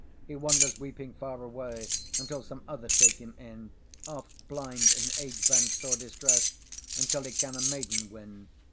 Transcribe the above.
He wanders weeping far away, Until some other take him in; Oft blind and age bent, sore distrest, Until he can a Maiden win.